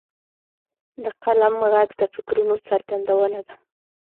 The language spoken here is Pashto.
د قلم ږغ د فکرونو څرګندونه ده.